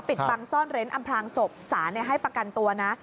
ปิดบังซ่อนเร้นอำพลางศพศาลให้ประกันตัวนะ